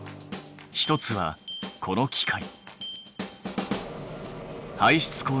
もう一つはこの機械。